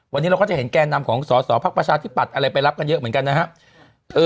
วันนี้เราก็จะเห็นแก่นำของสอสอพักประชาธิปัตย์อะไรไปรับกันเยอะเหมือนกันนะครับ